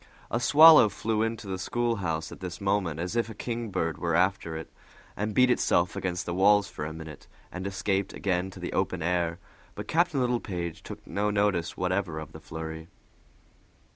A swallow flew into the schoolhouse at this moment as if a kingbird were after it, and beat itself against the walls for a minute, and escaped again to the open air; but Captain Littlepage took no notice whatever of the flurry.